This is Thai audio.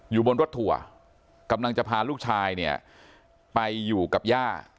อยู่บนรถถั่วกำลังจะพาลูกชายไปอยู่กับหญ้า